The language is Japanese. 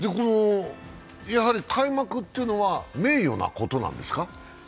やはり開幕っていうのは名誉なことなんですか。